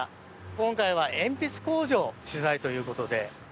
今回は鉛筆工場取材ということで。